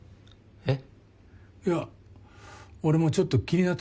えっ？